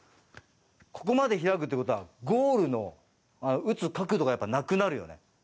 ここまで開くということは、ゴールに打つ角度がなくなるよね？